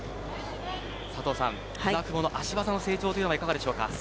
佐藤さん、舟久保の足技の成長はいかがでしょうか。